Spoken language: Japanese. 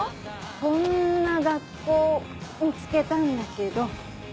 こんな学校見つけたんだけど。